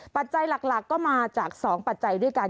ปัจจัยหลักก็มาจาก๒ปัจจัยด้วยกัน